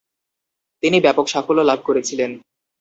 তিনি ব্যাপক সাফল্য লাভ করেছিলেন।